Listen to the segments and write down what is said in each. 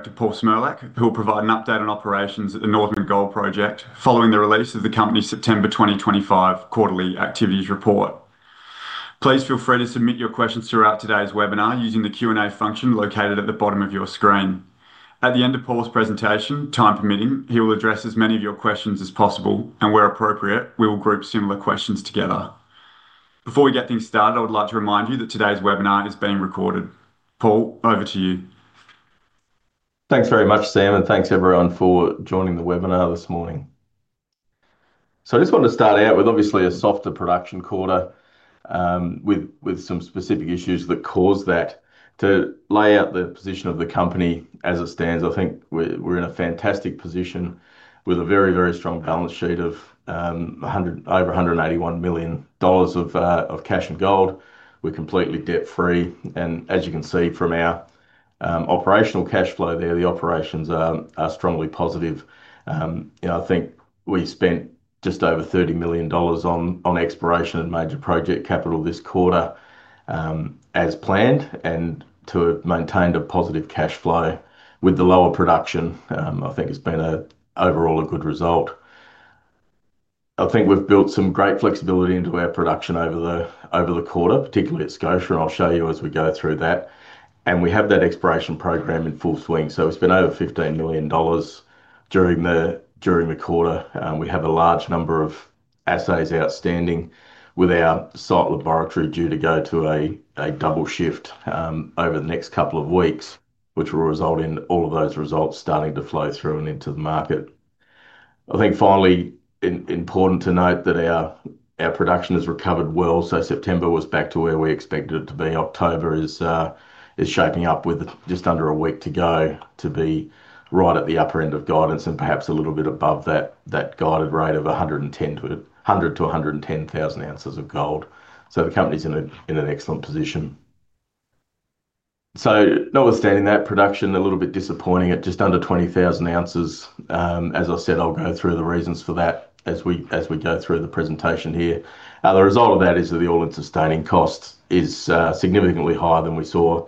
Back to Paul Cmrlec, who will provide an update on operations at the Northern Gold Project following the release of the company's September 2025 quarterly activities report. Please feel free to submit your questions throughout today's webinar using the Q&A function located at the bottom of your screen. At the end of Paul's presentation, time permitting, he will address as many of your questions as possible, and where appropriate, we will group similar questions together. Before we get things started, I would like to remind you that today's webinar is being recorded. Paul, over to you. Thanks very much, Sam, and thanks everyone for joining the webinar this morning. I just want to start out with obviously a softer production quarter, with some specific issues that caused that. To lay out the position of the company as it stands, I think we're in a fantastic position with a very, very strong balance sheet of over 181 million dollars of cash and gold. We're completely debt-free, and as you can see from our operational cash flow there, the operations are strongly positive. I think we spent just over AUD 30 million on exploration and major project capital this quarter, as planned, and to have maintained a positive cash flow with the lower production, I think has been overall a good result. I think we've built some great flexibility into our production over the quarter, particularly at Scotia, and I'll show you as we go through that. We have that exploration program in full swing, so it's been over 15 million dollars during the quarter. We have a large number of assays outstanding with our site laboratory due to go to a double shift over the next couple of weeks, which will result in all of those results starting to flow through and into the market. I think finally, it's important to note that our production has recovered well, so September was back to where we expected it to be. October is shaping up with just under a week to go to be right at the upper end of guidance and perhaps a little bit above that guided rate of 100,000-110,000 ounces of gold. The company's in an excellent position. Notwithstanding that, production a little bit disappointing at just under 20,000 ounces. As I said, I'll go through the reasons for that as we go through the presentation here. The result of that is that the all-in sustaining cost is significantly higher than we saw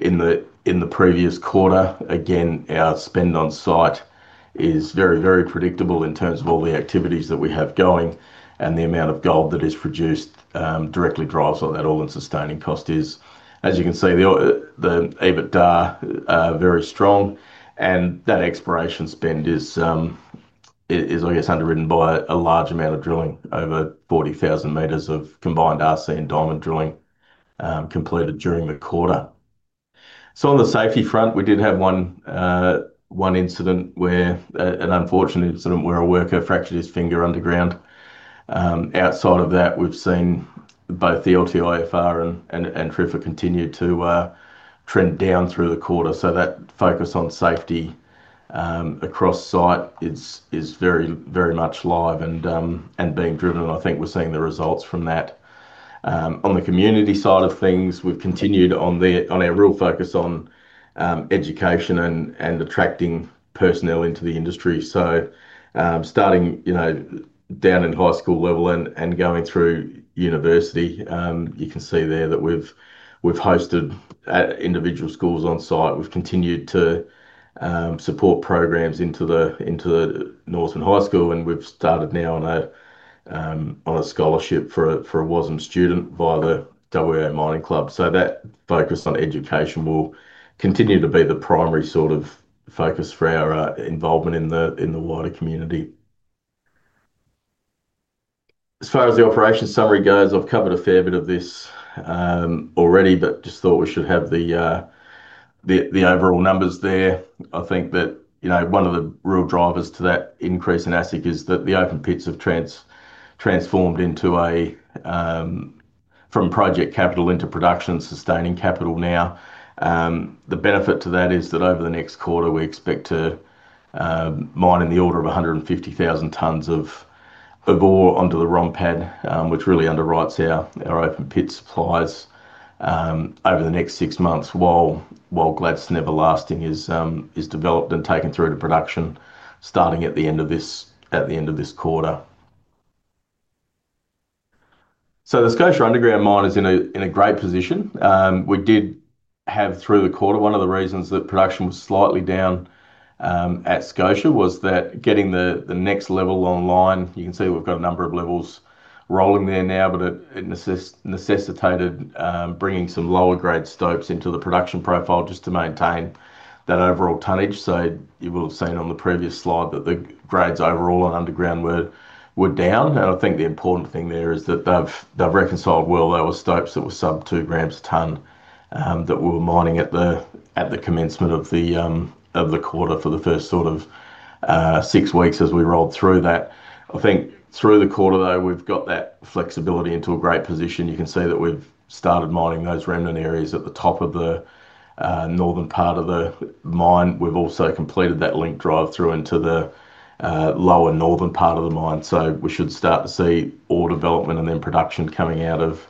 in the previous quarter. Again, our spend on site is very, very predictable in terms of all the activities that we have going, and the amount of gold that is produced directly drives what that all-in sustaining cost is. As you can see, the EBITDA is very strong, and that exploration spend is, I guess, underwritten by a large amount of drilling, over 40,000 meters of combined RC and diamond drilling completed during the quarter. On the safety front, we did have one unfortunate incident where a worker fractured his finger underground. Outside of that, we've seen both the LTIFR and TRIFA continue to trend down through the quarter. That focus on safety across site is very, very much alive and being driven, and I think we're seeing the results from that. On the community side of things, we've continued on our real focus on education and attracting personnel into the industry. Starting down in high school level and going through university, you can see there that we've hosted individual schools on site. We've continued to support programs into the Northern High School, and we've started now on a scholarship for a WASM student via the WA Mining Club. That focus on education will continue to be the primary sort of focus for our involvement in the wider community. As far as the operation summary goes, I've covered a fair bit of this already, but just thought we should have the overall numbers there. I think that one of the real drivers to that increase in all-in sustaining costs is that the open pits have transformed from project capital into production and sustaining capital now. The benefit to that is that over the next quarter, we expect to mine in the order of 150,000 tonnes of ore onto the ROM pad, which really underwrites our open pit supplies over the next six months while Gladstone Everlasting is developed and taken through to production, starting at the end of this quarter. The Scotia underground mine is in a great position. We did have through the quarter, one of the reasons that production was slightly down at Scotia was that getting the next level online, you can see we've got a number of levels rolling there now, but it necessitated bringing some lower grade stopes into the production profile just to maintain that overall tonnage. You will have seen on the previous slide that the grades overall on underground were down. I think the important thing there is that they've reconciled well. There were stopes that were sub two grams a tonne that we were mining at the commencement of the quarter for the first sort of six weeks as we rolled through that. I think through the quarter, though, we've got that flexibility into a great position. You can see that we've started mining those remnant areas at the top of the northern part of the mine. We've also completed that link drive through into the lower northern part of the mine. We should start to see ore development and then production coming out of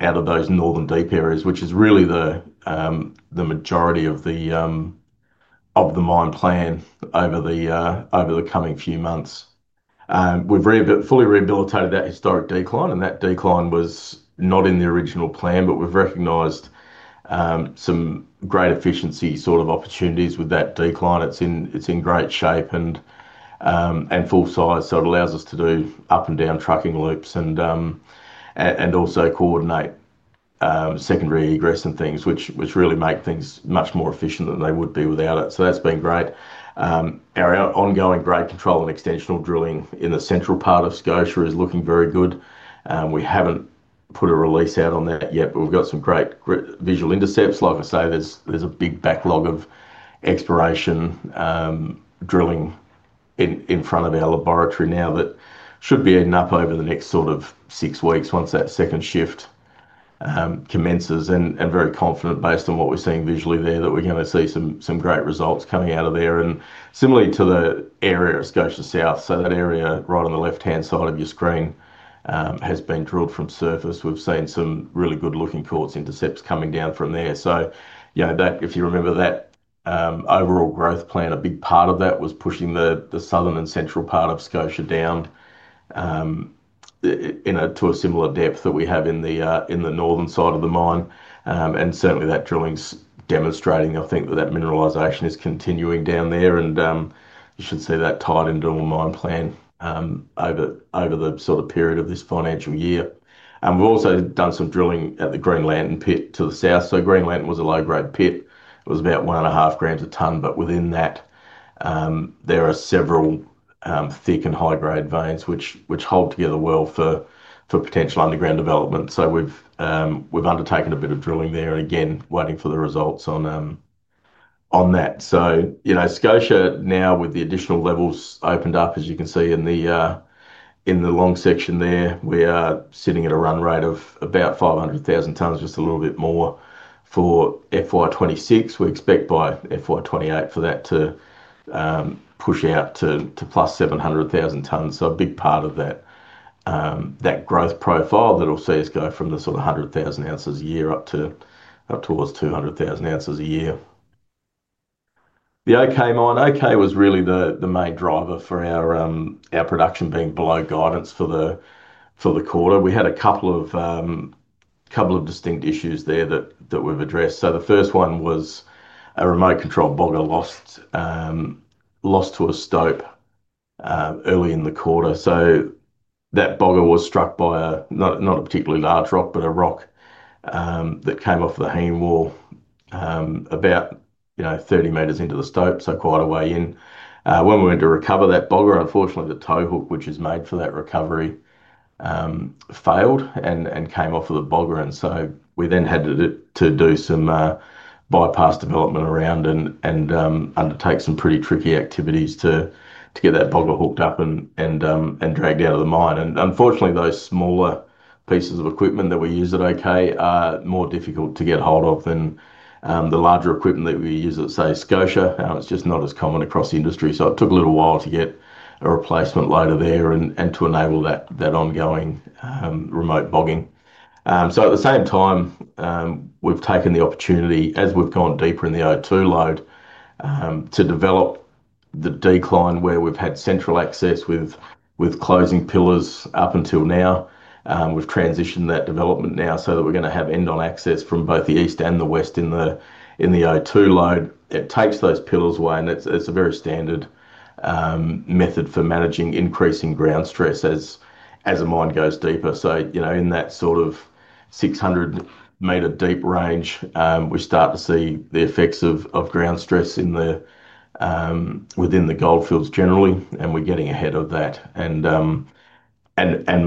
those northern deep areas, which is really the majority of the mine plan over the coming few months. We've fully rehabilitated that historic decline, and that decline was not in the original plan, but we've recognized some great efficiency sort of opportunities with that decline. It's in great shape and full size, so it allows us to do up and down trucking loops and also coordinate secondary egress and things, which really make things much more efficient than they would be without it. That's been great. Our ongoing grade control and extensional drilling in the central part of Scotia is looking very good. We haven't put a release out on that yet, but we've got some great visual intercepts. Like I say, there's a big backlog of exploration drilling in front of our laboratory now that should be eaten up over the next six weeks once that second shift commences. I'm very confident based on what we're seeing visually there that we're going to see some great results coming out of there. Similarly, the area of Scotia South, that area right on the left-hand side of your screen, has been drilled from surface. We've seen some really good-looking quartz intercepts coming down from there. If you remember that overall growth plan, a big part of that was pushing the southern and central part of Scotia down to a similar depth that we have in the northern side of the mine. Certainly, that drilling's demonstrating, I think, that that mineralization is continuing down there. You should see that tied into our mine plan over the period of this financial year. We've also done some drilling at the Green Lantern pit to the south. Green Lantern was a low-grade pit. It was about 1.5 grams a ton, but within that, there are several thick and high-grade veins which hold together well for potential underground development. We've undertaken a bit of drilling there and again waiting for the results on that. Scotia now, with the additional levels opened up, as you can see in the long section there, we are sitting at a run rate of about 500,000 tonnes, just a little bit more for FY 2026. We expect by FY 2028 for that to push out to +700,000 tonnes. A big part of that growth profile that we'll see is go from the 100,000 ounces a year up towards 200,000 ounces a year. The OK mine, OK was really the main driver for our production being below guidance for the quarter. We had a couple of distinct issues there that we've addressed. The first one was a remote control bogger lost to a stope early in the quarter. That bogger was struck by not a particularly large rock, but a rock that came off the hanging wall about 30 meters into the stope, quite a way in. When we went to recover that bogger, unfortunately, the tow hook which is made for that recovery failed and came off of the bogger. We then had to do some bypass development around and undertake some pretty tricky activities to get that bogger hooked up and dragged out of the mine. Unfortunately, those smaller pieces of equipment that we use at OK are more difficult to get hold of than the larger equipment that we use at, say, Scotia. It's just not as common across the industry. It took a little while to get a replacement loader there and to enable that ongoing remote bogging. At the same time, we've taken the opportunity, as we've gone deeper in the O2 lode, to develop the decline where we've had central access with closing pillars up until now. We've transitioned that development now so that we're going to have end-on access from both the east and the west in the O2 lode. It takes those pillars away, and it's a very standard method for managing increasing ground stress as a mine goes deeper. In that sort of 600 meter deep range, we start to see the effects of ground stress within the goldfields generally, and we're getting ahead of that and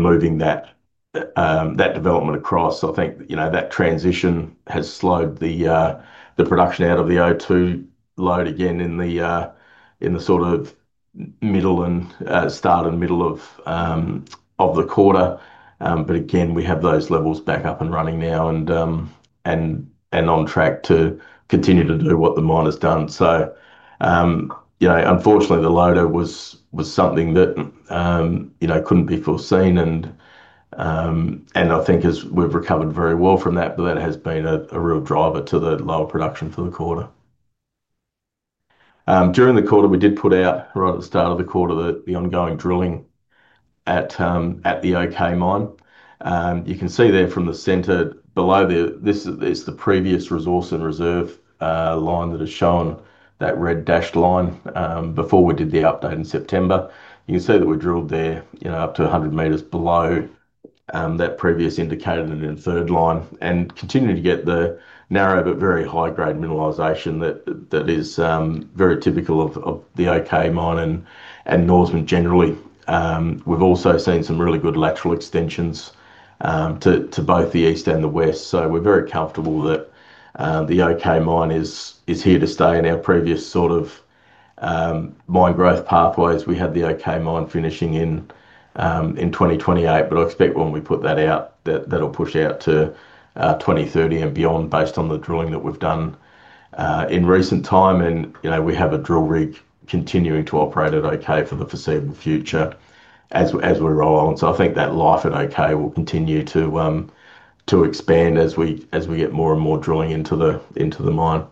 moving that development across. I think that transition has slowed the production out of the O2 lode again in the start and middle of the quarter. We have those levels back up and running now and on track to continue to do what the mine has done. Unfortunately, the loader was something that couldn't be foreseen. I think as we've recovered very well from that, that has been a real driver to the lower production for the quarter. During the quarter, we did put out right at the start of the quarter the ongoing drilling at the OK mine. You can see there from the center below there, this is the previous resource and reserve line that is shown, that red dashed line. Before we did the update in September, you can see that we drilled there up to 100 meters below that previous indicated and inferred line and continue to get the narrow but very high-grade mineralization that is very typical of the OK mine and Northern generally. We've also seen some really good lateral extensions to both the east and the west. We're very comfortable that the OK mine is here to stay in our previous sort of mine growth pathways. We had the OK mine finishing in 2028, but I expect when we put that out, that'll push out to 2030 and beyond based on the drilling that we've done in recent time. We have a drill rig continuing to operate at OK for the foreseeable future as we roll on. I think that life at OK will continue to expand as we get more and more drilling into the mine.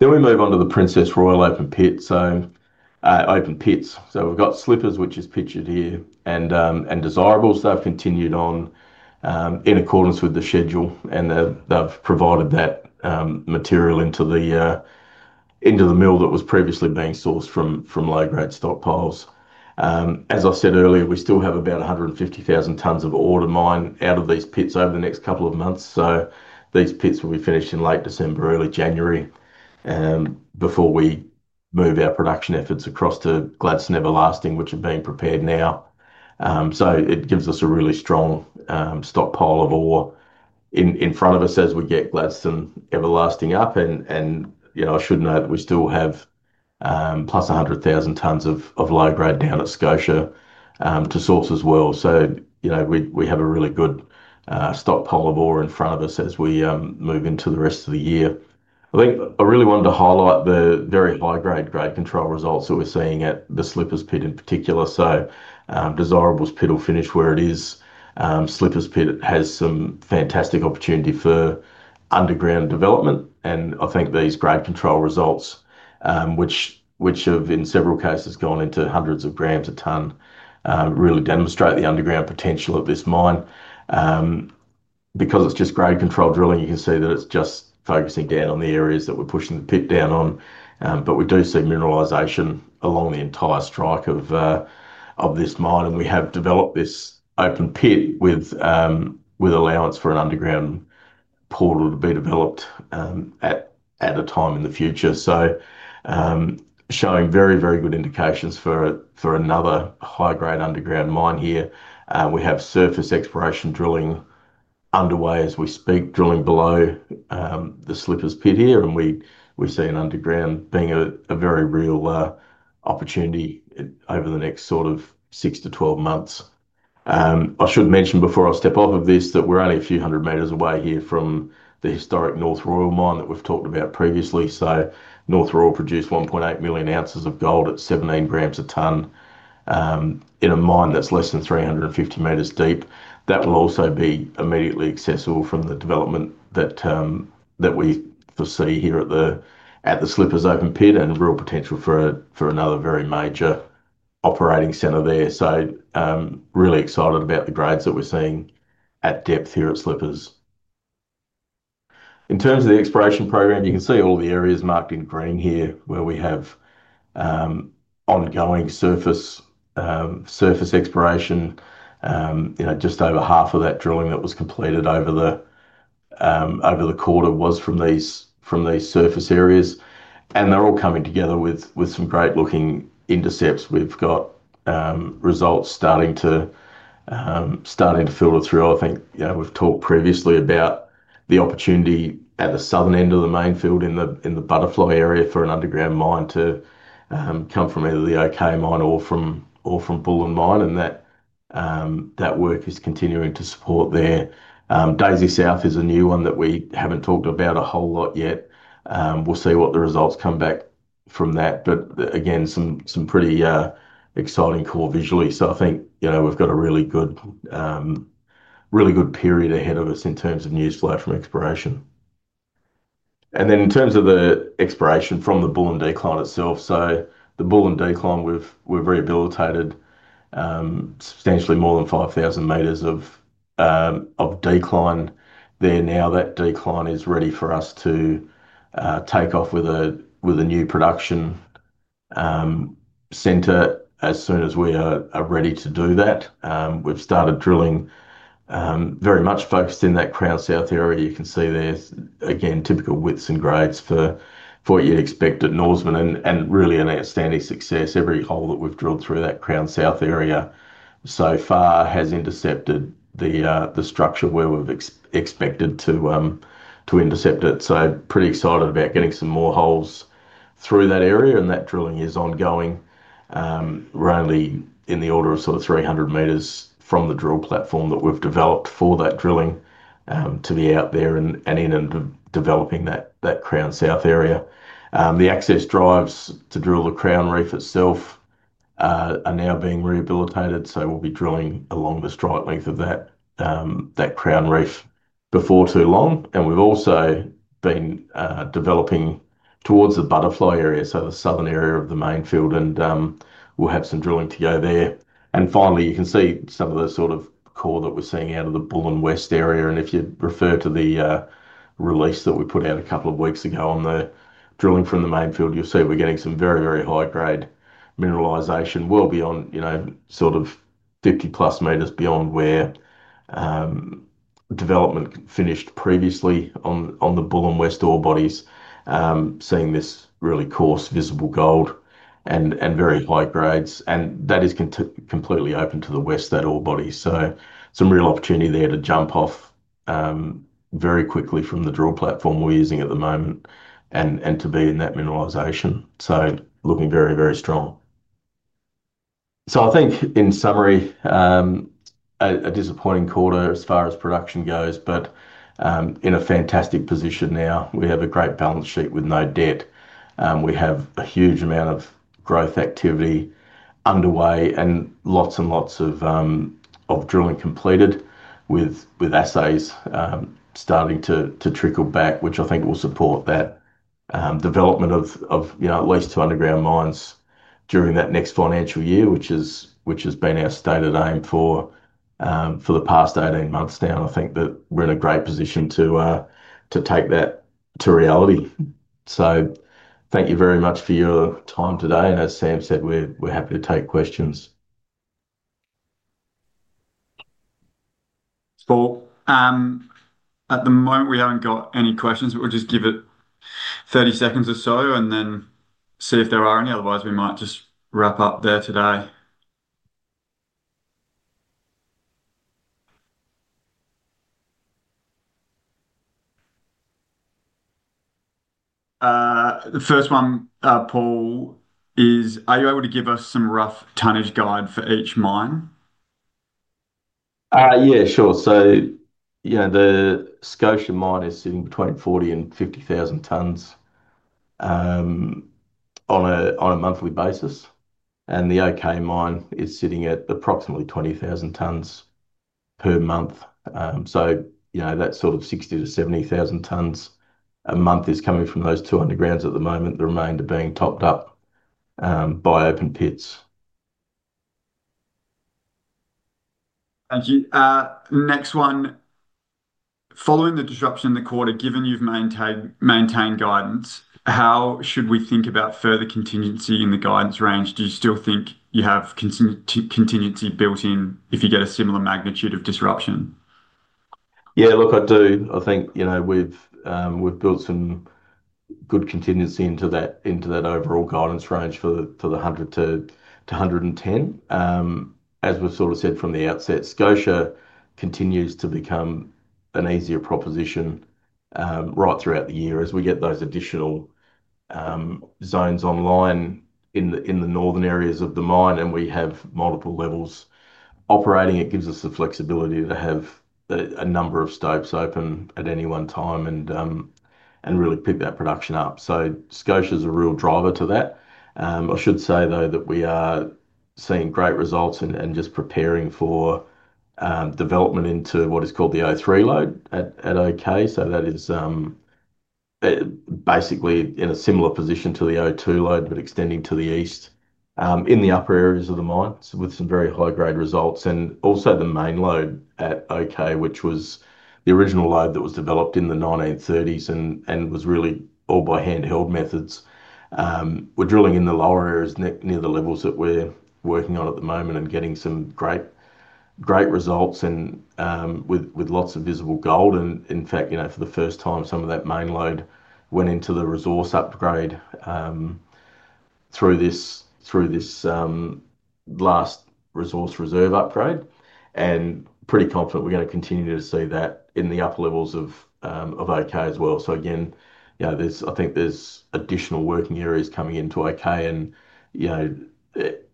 We move on to the Princess Royal open pits. We've got Slippers, which is pictured here, and Desirables. They've continued on in accordance with the schedule, and they've provided that material into the mill that was previously being sourced from low-grade stockpiles. As I said earlier, we still have about 150,000 tonnes of ore to mine out of these pits over the next couple of months. These pits will be finished in late December, early January, before we move our production efforts across to Gladstone Everlasting, which are being prepared now. It gives us a really strong stockpile of ore in front of us as we get Gladstone Everlasting up. I should note that we still have +100,000 tonnes of low-grade down at Scotia to source as well. We have a really good stockpile of ore in front of us as we move into the rest of the year. I really wanted to highlight the very high-grade grade control results that we're seeing at the Slippers pit in particular. Desirables pit will finish where it is. Slippers pit has some fantastic opportunity for underground development. I think these grade control results, which have in several cases gone into hundreds of grams a tonne, really demonstrate the underground potential of this mine. Because it's just grade control drilling, you can see that it's just focusing down on the areas that we're pushing the pit down on. We do see mineralization along the entire strike of this mine. We have developed this open pit with allowance for an underground portal to be developed at a time in the future. Showing very, very good indications for another high-grade underground mine here. We have surface exploration drilling underway as we speak, drilling below the Slippers pit here. We see an underground being a very real opportunity over the next sort of six to 12 months. I should mention before I step off of this that we're only a few hundred meters away here from the historic North Royal mine that we've talked about previously. North Royal produced 1.8 million ounces of gold at 17 grams a tonne in a mine that's less than 350 meters deep. That will also be immediately accessible from the development that we foresee here at the Slippers open pit and real potential for another very major operating center there. Really excited about the grades that we're seeing at depth here at Slippers. In terms of the exploration program, you can see all the areas marked in green here where we have ongoing surface exploration. Just over half of that drilling that was completed over the quarter was from these surface areas. They're all coming together with some great-looking intercepts. We've got results starting to filter through. We've talked previously about the opportunity at the southern end of the main field in the Butterfly area for an underground mine to come from either the OK mine or from Bullion mine. That work is continuing to support there. Daisy South is a new one that we haven't talked about a whole lot yet. We'll see what the results come back from that. Again, some pretty exciting core visually. I think we've got a really good period ahead of us in terms of news flow from exploration. In terms of the exploration from the Bullion decline itself, the Bullion decline, we've rehabilitated substantially more than 5,000 meters of decline there. Now that decline is ready for us to take off with a new production center as soon as we are ready to do that. We've started drilling very much focused in that Crown South area. You can see there, again, typical widths and grades for what you'd expect at Northern. Really an outstanding success. Every hole that we've drilled through that Crown South area so far has intercepted the structure where we've expected to intercept it. Pretty excited about getting some more holes through that area. That drilling is ongoing. We're only in the order of sort of 300 meters from the drill platform that we've developed for that drilling to be out there and in and developing that Crown South area. The access drives to drill the Crown reef itself are now being rehabilitated. We'll be drilling along the strike length of that Crown reef before too long. We have also been developing towards the Butterfly area, the southern area of the main field. We will have some drilling to go there. Finally, you can see some of the sort of core that we are seeing out of the Bullion West area. If you refer to the release that we put out a couple of weeks ago on the drilling from the main field, you will see we are getting some very, very high-grade mineralisation well beyond, you know, 50+ meters beyond where development finished previously on the Bullion West ore bodies, seeing this really coarse visible gold and very high grades. That ore body is completely open to the west. There is some real opportunity there to jump off very quickly from the drill platform we are using at the moment and to be in that mineralisation, looking very, very strong. In summary, it was a disappointing quarter as far as production goes, but we are in a fantastic position now. We have a great balance sheet with no debt. We have a huge amount of growth activity underway and lots and lots of drilling completed with assays starting to trickle back, which I think will support that development of at least two underground mines during that next financial year, which has been our stated aim for the past 18 months now. I think that we are in a great position to take that to reality. Thank you very much for your time today. As Sam said, we are happy to take questions. Paul. At the moment, we haven't got any questions, but we'll just give it 30 seconds or so and then see if there are any. Otherwise, we might just wrap up there today. The first one, Paul, is are you able to give us some rough tonnage guide for each mine? Yeah, sure. The Scotia mine is sitting between 40,000 and 50,000 tonnes on a monthly basis, and the OK mine is sitting at approximately 20,000 tonnes per month. That's sort of 60,000-70,000 tonnes a month coming from those two undergrounds at the moment, the remainder being topped up by open pits. Thank you. Next one. Following the disruption in the quarter, given you've maintained guidance, how should we think about further contingency in the guidance range? Do you still think you have contingency built in if you get a similar magnitude of disruption? Yeah, look, I do. I think we've built some good contingency into that overall guidance range for the 100-110. As we've said from the outset, Scotia continues to become an easier proposition right throughout the year as we get those additional zones online in the northern areas of the mine. We have multiple levels operating. It gives us the flexibility to have a number of stopes open at any one time and really pick that production up. Scotia is a real driver to that. I should say, though, that we are seeing great results and just preparing for development into what is called the O3 load at OK. That is basically in a similar position to the O2 load, but extending to the east in the upper areas of the mines with some very high-grade results. Also, the main load at OK, which was the original load that was developed in the 1930s and was really all by handheld methods. We're drilling in the lower areas near the levels that we're working on at the moment and getting some great results with lots of visible gold. In fact, for the first time, some of that main load went into the resource upgrade through this last resource reserve upgrade. I'm pretty confident we're going to continue to see that in the upper levels of OK as well. I think there's additional working areas coming into OK and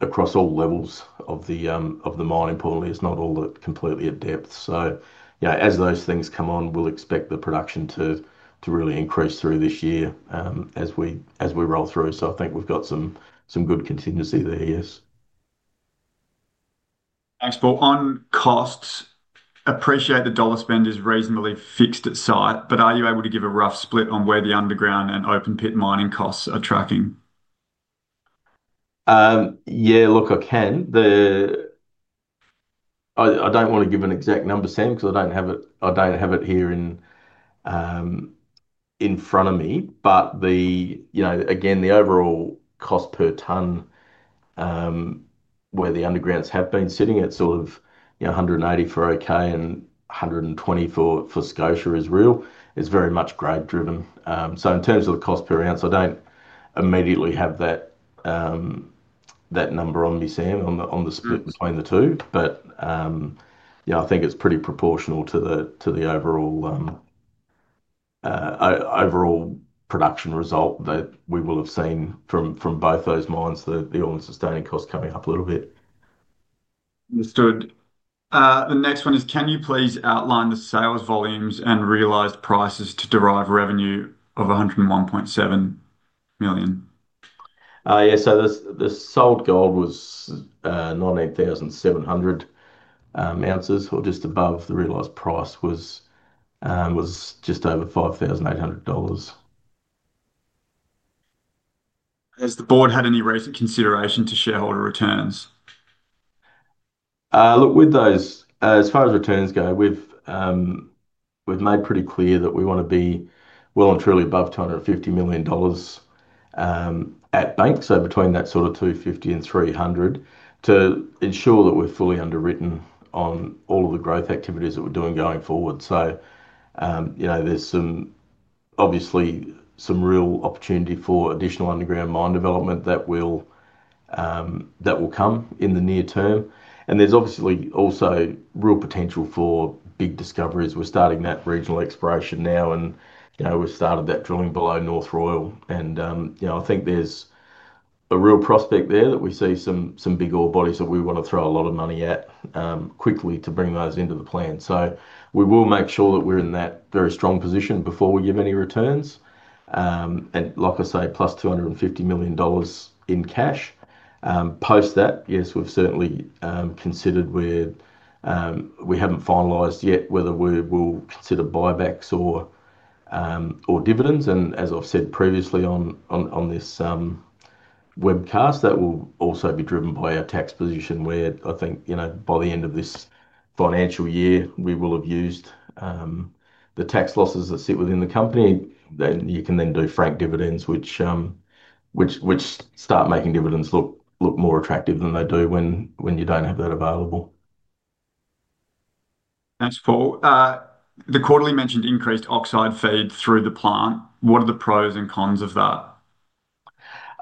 across all levels of the mine. Importantly, it's not all completely at depth. As those things come on, we'll expect the production to really increase through this year as we roll through. I think we've got some good contingency there, yes. Thanks, Paul. On costs, I appreciate the dollar spend is reasonably fixed at site, but are you able to give a rough split on where the underground and open pit mining costs are tracking? Yeah, look, I can. I don't want to give an exact number, Sam, because I don't have it here in front of me. The overall cost per tonne where the undergrounds have been sitting at sort of 180 for OK and 120 for Scotia is very much grade driven. In terms of the cost per ounce, I don't immediately have that number on me, Sam, on the split between the two. I think it's pretty proportional to the overall production result that we will have seen from both those mines, the all-in sustaining cost coming up a little bit. Understood. The next one is, can you please outline the sales volumes and realized prices to derive revenue of 101.7 million? Yeah, the sold gold was 19,700 ounces, or just above. The realized price was just over AUD 5,800. Has the board had any recent consideration to shareholder returns? Look, with those, as far as returns go, we've made pretty clear that we want to be well and truly above 250 million dollars at bank, so between that sort of 250 million and 300 million, to ensure that we're fully underwritten on all of the growth activities that we're doing going forward. There's obviously some real opportunity for additional underground mine development that will come in the near term. There's obviously also real potential for big discoveries. We're starting that regional exploration now, and we've started that drilling below North Royal. I think there's a real prospect there that we see some big ore bodies that we want to throw a lot of money at quickly to bring those into the plan. We will make sure that we're in that very strong position before we give any returns. Like I say, +250 million dollars in cash. Post that, yes, we've certainly considered where we haven't finalized yet whether we will consider buybacks or dividends. As I've said previously on this webcast, that will also be driven by our tax position where I think, by the end of this financial year, we will have used the tax losses that sit within the company. You can then do frank dividends, which start making dividends look more attractive than they do when you don't have that available. Thanks, Paul. The quarterly mentioned increased oxide feed through the plant. What are the pros and cons of that?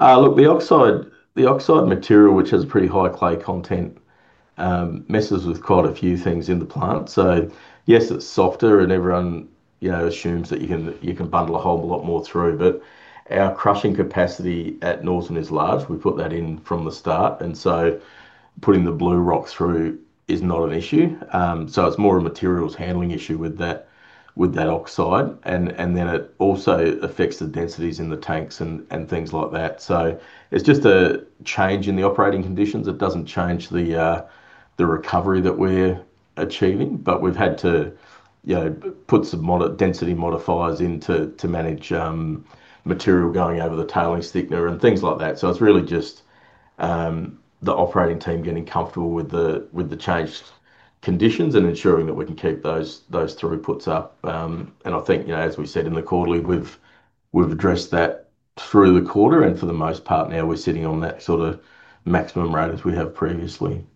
Look, the oxide material, which has a pretty high clay content, messes with quite a few things in the plant. Yes, it's softer and everyone assumes that you can bundle a whole lot more through, but our crushing capacity at Northern is large. We put that in from the start, and putting the blue rock through is not an issue. It is more a materials handling issue with that oxide. It also affects the densities in the tanks and things like that. It is just a change in the operating conditions. It doesn't change the recovery that we're achieving. We've had to put some density modifiers in to manage material going over the tailing sticker and things like that. It is really just the operating team getting comfortable with the changed conditions and ensuring that we can keep those throughputs up. I think, as we said in the quarterly, we've addressed that through the quarter, and for the most part now, we're sitting on that sort of maximum rate as we have previously.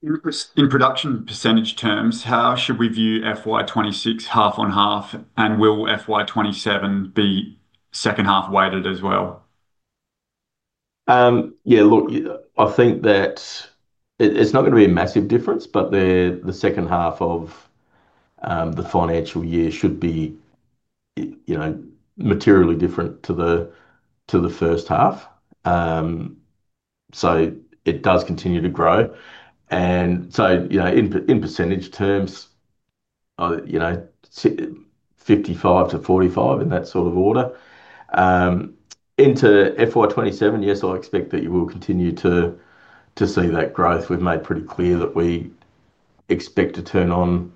In production percentage terms, how should we view FY 2026 half on half? Will FY 2027 be second half weighted as well? Yeah, look, I think that it's not going to be a massive difference, but the second half of the financial year should be materially different to the first half. It does continue to grow. In percentage terms, 55%-45% in that sort of order. Into FY 2027, yes, I expect that you will continue to see that growth. We've made pretty clear that we expect to turn on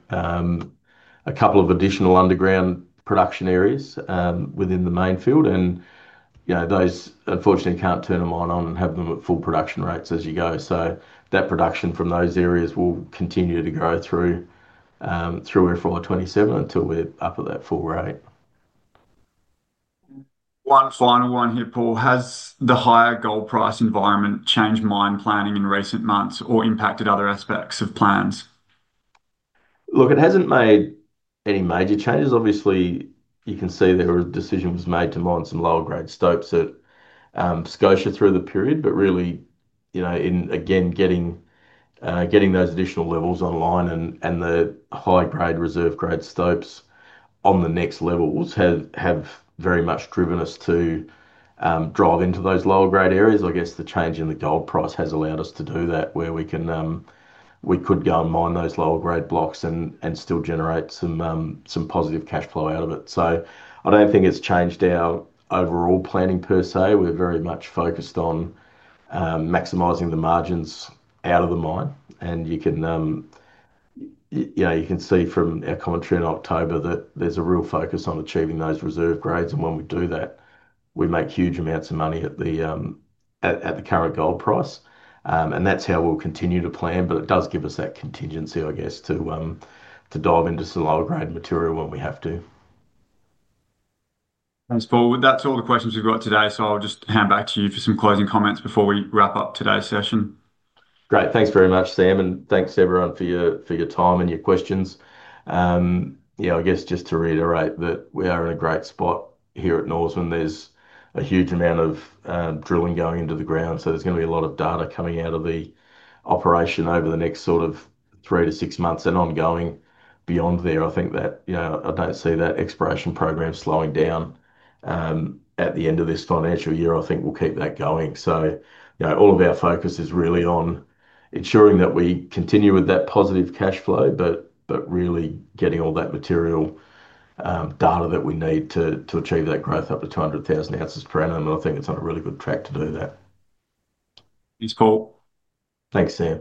a couple of additional underground production areas within the main field. Those unfortunately can't turn them on and have them at full production rates as you go. That production from those areas will continue to grow through FY 2027 until we're up at that full rate. One final one here, Paul. Has the higher gold price environment changed mine planning in recent months or impacted other aspects of plans? Look, it hasn't made any major changes. Obviously, you can see there were decisions made to mine some lower grade stokes at Scotia through the period. Really, you know, getting those additional levels online and the high grade reserve grade stokes on the next levels have very much driven us to drive into those lower grade areas. I guess the change in the gold price has allowed us to do that where we could go and mine those lower grade blocks and still generate some positive cash flow out of it. I don't think it's changed our overall planning per se. We're very much focused on maximizing the margins out of the mine. You can see from our commentary in October that there's a real focus on achieving those reserve grades. When we do that, we make huge amounts of money at the current gold price. That's how we'll continue to plan. It does give us that contingency, I guess, to dive into some lower grade material when we have to. Thanks, Paul. That's all the questions we've got today. I'll just hand back to you for some closing comments before we wrap up today's session. Great. Thanks very much, Sam. Thanks everyone for your time and your questions. I guess just to reiterate that we are in a great spot here at Northern. There's a huge amount of drilling going into the ground. There's going to be a lot of data coming out of the operation over the next sort of three to six months and ongoing beyond there. I think that, you know, I don't see that exploration program slowing down at the end of this financial year. I think we'll keep that going. All of our focus is really on ensuring that we continue with that positive cash flow, but really getting all that material data that we need to achieve that growth up to 200,000 ounces per annum. I think it's on a really good track to do that. Thanks, Paul. Thanks, Sam.